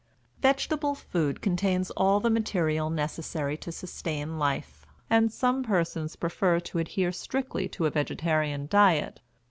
Vegetable food contains all the material necessary to sustain life, and some persons prefer to adhere strictly to a vegetarian diet.